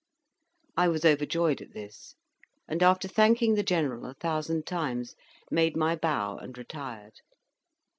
I was overjoyed at this, and, after thanking the General a thousand times, made my bow and retired.